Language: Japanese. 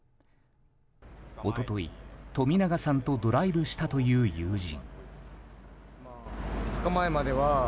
一昨日、冨永さんとドライブしたという友人。